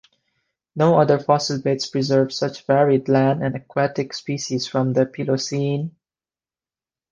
No other fossil beds preserve such varied land and aquatic species from the Pliocene.